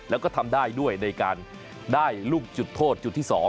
แล้วก็ทำได้ด้วยในการได้ลูกจุดโทษจุดที่๒